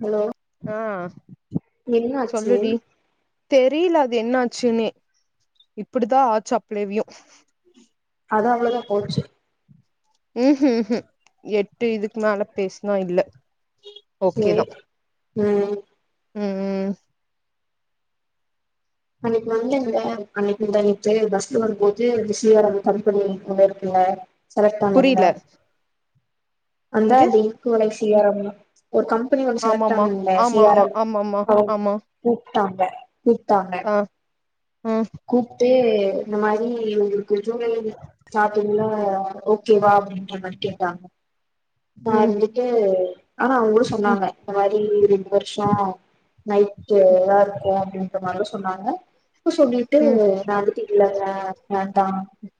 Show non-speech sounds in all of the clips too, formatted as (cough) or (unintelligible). hello ஆ என்னாச்சு சொல்லுடி தெரியல அது என்னாச்சுன்னே இப்டிதா ஆச்சு அப்ளேவியு அதா அவ்ளதா போச்சு உஹு உஹு எட்டு இதுக்கு மேல பேசுனா இல்ல ஓகே தா உ உ உ அன்னைக்கு வந்து (unintelligible) அன்னைக்கு தங்கிட்டு பஸ்ல வரும்போது விஸ்கரம் தணப்பணி இருக்குல செலக்ட் புரில பண்ணீங்களா அந்தா இங்க அந்த ஈக்வளேஷ் (inaudible) ஒரு கம்பெனி ஒன்னு செலக்ட் ஆமாமா ஆணீங்களீ இல்ல சி ஆர் ஆமாமா ஆமாமா ஆமா எம் ட்டாங்க கூப்ட்டாங்க ஆ ஆ ம் கூப்ட் ப்யே இந்த மாரி இந்த ஜுலை ஸ்டாடிங்ள உ ஓகேவா அப்டின்றமாரி கேட்டாங்க நா ம் இருந்துட்டு ஆனா அவங்களு ம் சொன்னாங்க இந்த மாரி ரெண்டு வருஷோ நைட் இத இருக்கு அப்படின்ற மாரி சொன்னாங்க ட்டு ம் (unintelligible) இல்லங்க நா வேண்டா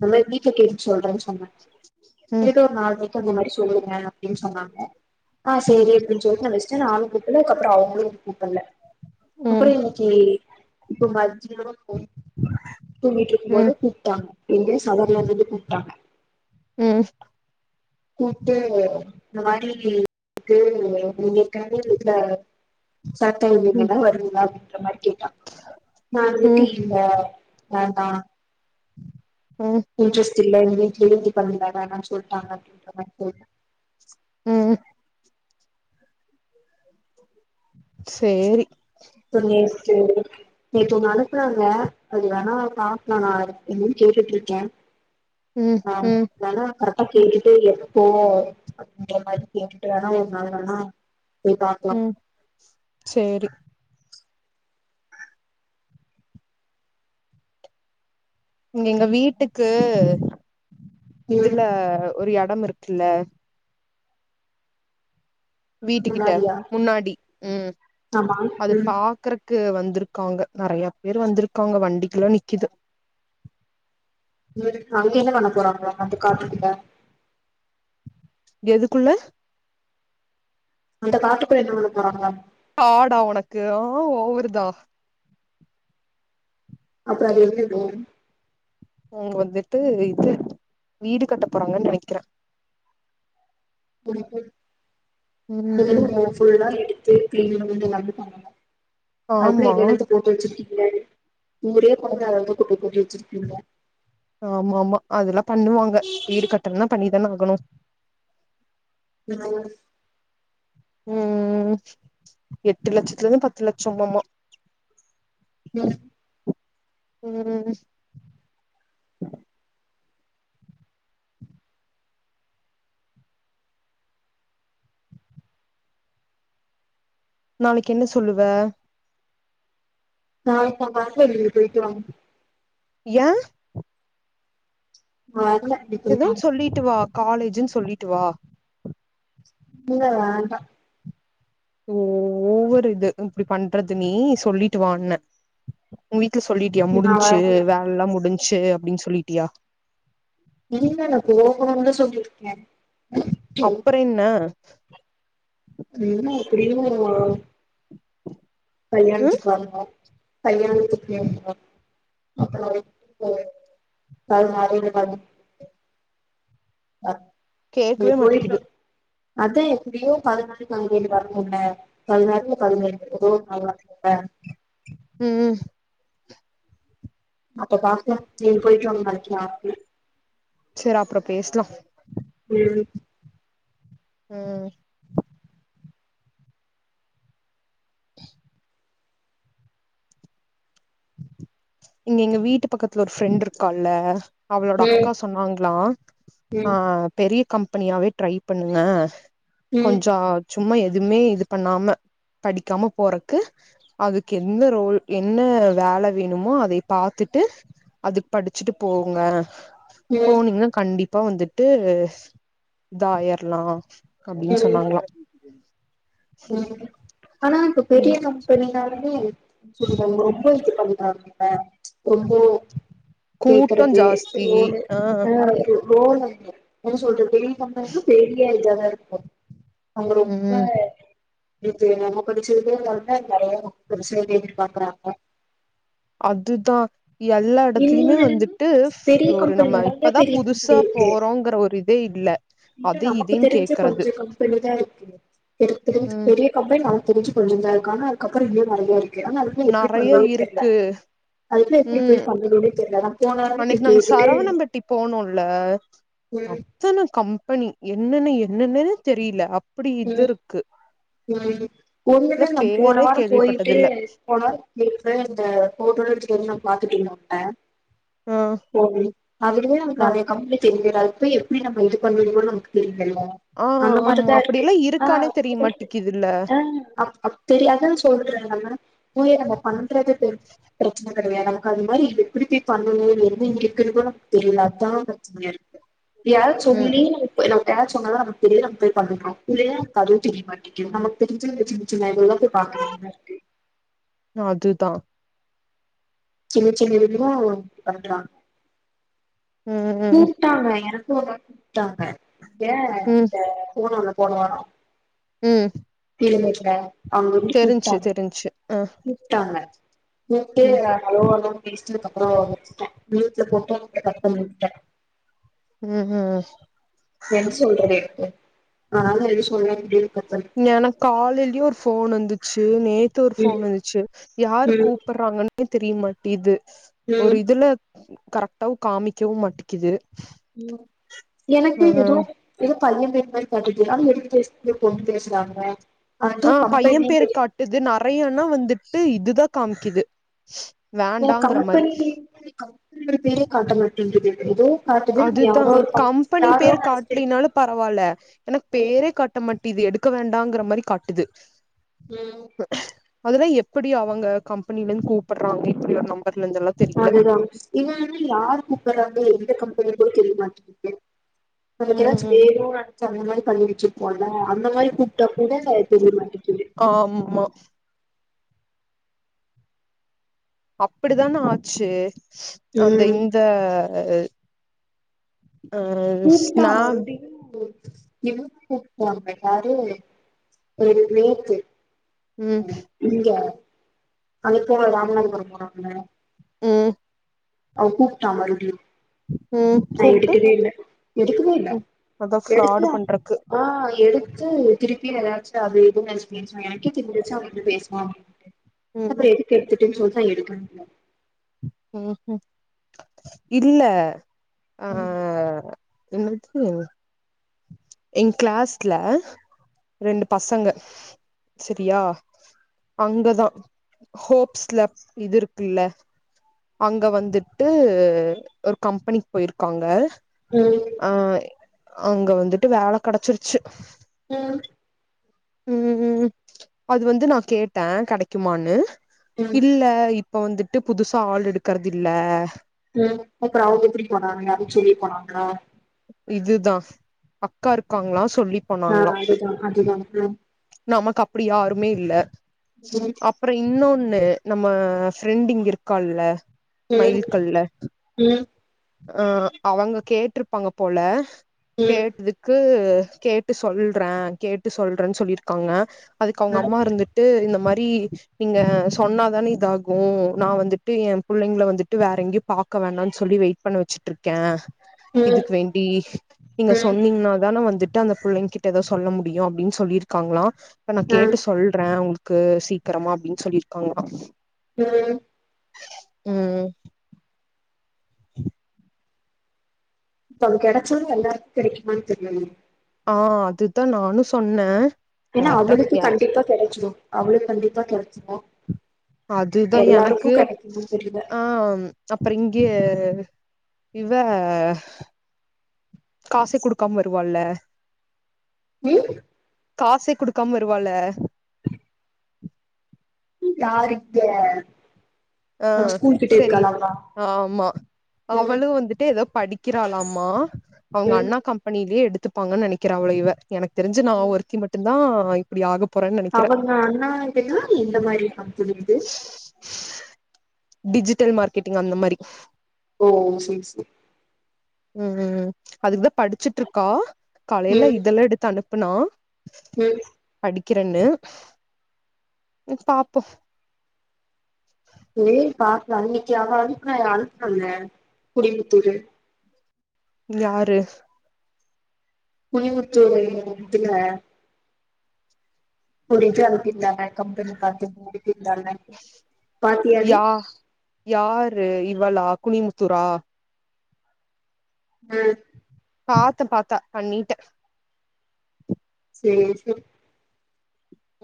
ந போயி வீட்ல கேட்டு சொல்றேன்சொ (inaudible) ம் சொல்லுங்க அப்டின்னு சொன்னாங்க ஆ ம் சரி அப்டின்னு சொல்லிட்டு வச்சிட்டே நானு கூப்பில்ல அவங்களு கூப்பில்ல ம் அப்புறோ இன்னைக்கி இப்போ மஜ்யோ தூங்கிட்டு ம் இருக்கும்போது கூப்ட்டாங்க இங்க சதர்லேந்லந்து கூப்ட்டாங்க உ கூப்டு இந்த மாரி இருக்கு நீங்க (unintelligible) சாத்தே (unintelligible) இல்ல ம் வரிங்களா இந்தமாரி கேட்டா நா ம் (unintelligible) ந தா உ துல்ல சேஞ்சு பன்னேல வேனா சொல்டாங்க அப்டிங்கரமாரி (unintelligible) உ உ சேரி நேத்து நேத்து உன்ன அனுப்புனாங்க அது வேணா பாக்கலா நா என்னனு கேட்டுட்ருக்கே ம் ஆம் ம் ஆனா கரக் அ கேட்டுட்டு எப்போ அப்படிங்க மாரி கேட்டுட்டு வேனா ஒரு நாள் வேனா உ சேரி நீங்க வீட்டுக்கு ம் இதுல ஒரு எடம் இருக்குல்ல வீட்டு கிட்ட முன்னாடியா முன்னாடி உ ஆமா அது ம் பாக்குற க்கு வந்திருக்காங்க நறைய பேர் வந்திருக்காங்க வண்டிக்குலா நிக்குது உ அதுக்கு என்ன பண்ண போறாங்களோ அதுகாட்டு க எதுக்குள்ள அந்த காட்டுக்குள்ள என்ன பண்ணபோறாங்களா காடா உனக்கு ஆ ஓவருதா அப்புற அது என்னது அவங்க வந்துட்டு இது வீடு கட்ட போறாங்கன்னு நனைக்கிறே புல்புல் (unintelligible) ம் (unintelligible) கிளீல்லந்து (unintelligible) பண்ணலா அது கூட ஆமா இது என்னத்த எ போட்டு வச்சுருக் ஊரே கொனந்து அத வந்து கூப்பி போட்டு வச்சிருக்கீங்க ஆமா ஆமா அதெல்லா பண்ணுவாங்க வீடு கட்டண்னா பண்ணிதான ஆகணு (unintelligible) உ எட்டு லட்சத்துல இருந்து பத்து லச்ச மாமா (unintelligible) உ உ உ ச்சு நாளைக்கு என்ன சொல்லுவ நா இப்ப வல்ல நீங்க போய்ட்டு வாங்க ஏ நா வரல நீ போயிட்டு எதொன் வாங்க சொல்லிட்டு வா காலேஜுன் சொல்லிட்டு ட்டு வா இல்ல வேண்டா ஓ ஓவர் இது இது இப்டி பண்றது நீ சொல்லிட்டு வான்னே சொல்லிட்டியா நா முடிஞ்சு வரல வேல எல்லா முடிஞ்சு சே அப்டின் சொல்லிட்டியா இல்ல நா போகன்னு சொல்லிருக்கே அப்பற என்ன உம் எப்படியோ ம் கல்யாணத்துக்கு வரனு (unintelligible) (unintelligible) நீ கேக்கவே போயிட்டு மாட்டேக்குது அதா எப்டியோ பாதினாலு நாங்க வீட்டுக்கு வரனுல்ல பதினேழு வரனும்ல பதினாறுல பதினேழு ஏதோ ஒரு நாள் வரனுல்லலா உம்-உம் (unintelligible) சேரி அப்பறோ பேசலா உம் உம் இங்க எங்க வீட்டு பக்கத்துல ஒரு ஃப்ரெண்ட்டு இருக்கால அவளோட அக்கா ம் சொன்னாங்ளா ஆ ம் பெரிய கம்பெனியாவே ட்ரை பண்ணுங்க கொஞ்சாச்சு சும்மா எதுவுமே இது பண்ணாம படிக்காம போறக்கு அதுக்கு என்ன ரோல் என்ன வேல வேணுமோ அ போய் பாத்துட்டு அது படிச்சுட்டு போங்க ம் ம் போனீங்னா கண்டிப்பா அப்ப வந்துட்டு இத ஆயிறலா அப்டின்னு சொன்னாங்ளா உம் ஆனா இப்ப பெரிய ம் கம்பெனினாலுமே (unintelligible) ரொம்ப இது பண்ணா ஆ ரொம்போ கூட்டோ கேக்குறது ஜாஸ்தி ரோனு ஆ ரோ ரோன்னா அ அப்டின் சொல்ட்டு (inaudible) பத் அவங்க ரொம்ப ம் (inaudible) அதுதா எல்லா எடத்துலியுமே இல்லைனாலும் வந்துட்டு பெரிய ஒரு கம்பெனி நம்ம நெறைய இப்பதா பெரிய புதுசா போறோங்குற ஒரு இதே இல்ல இல்ல அது நமக்கு இதுன்னு தெருஞ்ச கேக்குறது கொஞ்சோ கம்பெனிதா இருக்கு (unintelligible) ம் பெரிய கம்பெனி நா தெருஞ்சு கொஞ்சோ இதா இருக்காங்க அதுக்கப்புறோ இன்னு நறையா இருக் க்கு ஆனா அது வந்து எப்டி நெறைய பண்ணுவாங்க தெர்ல இருக்கு அதுக்குள்ள எப்டி ம் போய் பண்ணனுனே தெர்லதா அன்னைக்கு நாங்க சரவணம்பட்டி போனோல ம் அத்தன கம் பனி என்னன்ன என்னென்னன்னே தெரியில அப் ம் ம் இல்ல ஒண்ணுமே நம் போன பேரே வாரம் போயிட்டு கேள்விப்பட்டதில்ல போன வாரம் (unintelligible) ஹோட்டல்லா வெச்சுரு என்னன் பாத்துட்டினோ அ ஆ ஓகே அதுக்குதா நம்மளுக்கு ஆ நறையா கம்பெனி (unintelligible) அப்ப எப்டி நம்ப இது (unintelligible) நமக்கு தெரி ரியல ஆ அந்த ஆமா மாரிதா இருக்கு அப்டியெல்லா ஆ இருக்கானே தெரிய அப்டியா இருக்கு மாட்டிக்குதுல்ல அ அத் அத் தெரியாதுன் சொல்றாங்கள்ல போய் அத நா பண் பண்றது பெரு பிரச்சன சேரியா நமக்கு அது மாரி எப்புடி போய் பண்ணனுன் இருந்து எப்டி இருக்கன்னு கூட நமக்கு தெரியல அதா பெரச்சனையா இருக்கு யார் ம் சொல்லி இப்ப நாம் யார் சொன்னாலு நம்ளுக் தெரியு நம் போய் பண்றோ (unintelligible) எ பாக்குறீங்கன்னு இருக்கு அதுதா சின்ன சின்ன இதுவு பண்றாங்க ம் ம் கூப்டாங்க எனக்கு (unintelligible) டாங்க ஏ ம் அத போனோனு போனா வாரோ ம் பிள்ளையால்டா அவங்க வீட்டு விட்ட தெரிஞ்ச்சு தெரிஞ்ச்சு ஆ கூப்டாங்க ம் முக்கேயா (unintelligible) ம் ம் என்ன சொல்றது இதுக்கு எனக் காலையிலும் ஒரு போன் வந்துது சு நேத்து ஒரு ம் போன் வந்துச்சு யார் ம் கூப்பிடறாங்க நேத்து தெரியமாட்டேயிது ஒரு ம் இதுல கரெக்டாவும் காமிக்கவு மாட்டேங்கிது ம் எனக்கு ஏதோ எதோ (unintelligible) ஆ பையன் பேரு காட்டுது நெறையன்னா வந்துட்டு இதுதா காமிக்குது என் வேண்டாங்கற மாரி கம்பெனி பேரே காட்டமாங்குது ஏதோ காட்டுது நம்ம அதுதா யாரோ ஒரு கம் கம்பெனி யாரோ பேரு நெனச்சிட்டு காட்டலனாலும் பரவாயில்ல எனக்கு ம் பேரே காட்ட மாட் இது எடுக்க வேண்டாங்கிற மாரி காட்டுது ம் அதெல்லா எப்டி அவங்க கம்பெனில இருந்து கூப்பிடுறாங்க இப்டி நம் அதுதா இது வந்து யாரு கூப்பற எந்த கம்ப பேரு கூட தெரிய மாட்டேங்குது ம் நமக்கனாச்ச ம் வேரு அந்த மாரி பண்ணிச்சு போனும் அந்த மாரி கூப்பிட்டா கூட தெரிய மாட்டேங்குது ஆமா அப்டி தானே ஆச்சு அந்த ம் இந்த (unintelligible) நீட்டா ஒரு ஸ்னாப் (unintelligible) இவ கூப்ட்டாங்க யாரு ஒரு பேக்கு ம் அ இங்க அதுப்போ ராமநாதபுரோ போனோல உ ஆ கூப்டா மரிடுயு ம் நா கூப்ட்டு எடுக்கவே இல்ல எடுக்கவே இல்ல ம் அதா எடுக்க ஃப்ராடு பண்றக்கு ஆ எடுத் சே திருப்பி எல்லாச்சு அதுன்னனுச்சு எனக்கே திரும்ச்சு அவங்க வந்து பேசுவா அப்டின்ட்டு ம் அப்றோ எதுக்கு எடு ப்டின் சொல்ட்தா எடுக்க (unintelligible) உ உ இல்ல ஆ உ (unintelligible) எ கிளாஸ்ல ரெண்டு பசங்க சரியா அங்கதா ஹோப்ஸ்ல இது இருக்குல்ல அங்க வந்துட்டு ஒரு கம்பெனிக்கு போயிருக்காங்க ஆ அங்க வந்துட்டு வேல கெடச்சிருச்சு உ உ உ அது வந்து நா கேட்டே கெடைக்குமான்னு ம் இல்ல இ இப்ப வந்துட்டு புதுஸ் க ஆள் எடுக்கறதில்ல உ அப்புற அவது எப்டி போனாங்க யா சொல்லி போனாங்களா இதுதா அக்கா இருக்காங்களாஸ் ஆ அதுதா அதுதா உ நமக்கு அப்படியாருமே இல்ல ம் அப்பறோ இன்னொன்னு நம்ம ஃப்ரெண்ட் இங்க இருக்கால்ல ம் மைல்கள்ல ம் அ அவங்க கேட்ருப்பாங்க போல ம் கேட்துக்கு கேட்டு சொல்றே கேட்டு சொல்றேன் சொல்லி க்கோங்க அதுக்கு அவங்க ம் அம்மா இருந்துட்டு இந்த மாரி டி நீங்க சொன்னாதானே இதாகு நா வந்துட்டு எ புள்ளைங்கள வந்துட்டு வேற எங்கியு பாக்க வேணானு சொல்லி வெயிட் பண்ண வச்சிட்டு இருக்கே ம் இதுக்கு வேண்டி நீங்க ம் சொன்னீங்கன்னாதான வந்து ட்ட அந்த புள்ளைங்கிட்ட எதா சொல்ல முடியு அப்பிடின் சொல்லி க்காங்களா இப்ப நா ம் கேட்டு சொல்றே உங் க்கு சீக்கிரமா அப்பபிடின் சொல்லிருக்காங்களா ம் ம் த்த அவங்க கெடச்சாலு எல்லாருக்கு கெடைக்குமான் தெரியணு ஆ அதுதா நானு சொன்னே ஏன்னா யார்ட்ட அவளுக்கு யார் கண்டிப்பா கெடச்சிடு அவ்ள கண்டிப்பா தொலச்சிபோ அதுதா எனக்கு தெரில ஆ அப்புறோ இங்க இவ காச குடுக்காம வருவால்ல ம் காசே குடுக்காம வருவால (inaudible) யாருக்க ஆ சரி ஆமா ம் அவளு வந்துட்டு எதோ படிக்கிறாலாமா அவங்க ம் அண்ணா கம்பெனிலியே எடுத் த்துருபாங்கன்ன நெனைகிறே அவ்ளோ இவ எனக்கு தெரிஞ்சி நா ஒருத்தி மட்டு ன் இப்பிடி ஆக போறேன்னு நெனைக்கிறே அவங்க அண்ணா இதன்னா இந்த மாரி கம்பெனி இது (inaudible) டிஜிட்டல் மார்க்கெட்டிங் அந்த மாரி ஓ சே சே ம் ம் அதுகதா படிச்சிட்ர்க்கா காலையில இதெல்லா எடுத்து அனுப் ப்பனா உ க்கிரண்னு பாப்போ வே பாக்லானு இன்னக்கி அவ அனுப்பன அனுப்புனோல குடிபுத்தூரு யாரு குலிவுத்து த்துல குடிக்க அனுபித்தரே கம்பெனி பாத்து அடிகிர்தாக பாத்தியாது ரு இவளா குனிமுத்தூரா உ பாத்து பாத்தா பண்ணிட்ட சேரி சே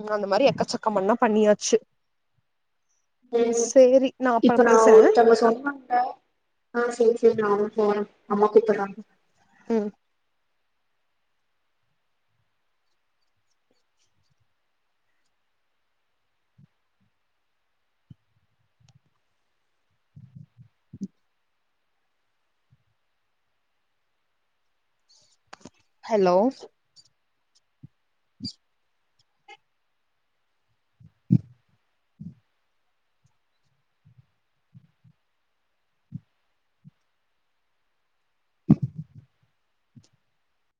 உ அந்த மாரி எக்கச்சக்க மண்ணா பண்ணியாச்சி உ இப்ப நா பேசுறே ஒருத்தங்க சொன்னாக ஆ சேரி சேரி நா போற அம்மா கூப்புட்றா உ ஹலோ